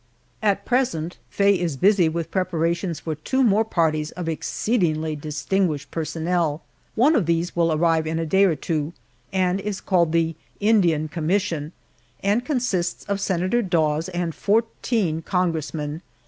At present Faye is busy with preparations for two more parties of exceedingly distinguished personnel. One of these will arrive in a day or two, and is called the "Indian Commission," and consists of senator Dawes and fourteen congressmen.